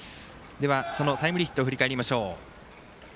では、そのタイムリーヒットを振り返りましょう。